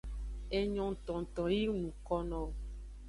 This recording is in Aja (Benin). Enyo tongto yi ng nuko nowo.